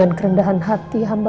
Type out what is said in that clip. gue ngerasa seperti apa